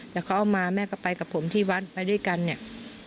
แต่เขาเอามาแม่ก็ไปกับผมที่วัดไปด้วยกันเนี่ย